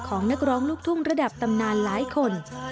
นักร้องลูกทุ่งระดับตำนานหลายคน